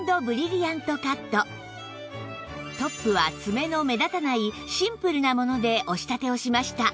トップは爪の目立たないシンプルなものでお仕立てをしました